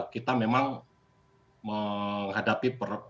kita memang menghadapi